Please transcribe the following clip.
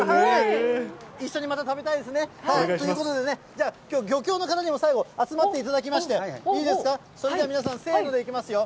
一緒にまた食べたいですね。ということでね、じゃあ、きょう漁協の方にも最後、集まっていただきまして、いいですか、それでは皆さん、せーのでいきますよ。